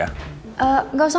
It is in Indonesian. biar kakak jemput ya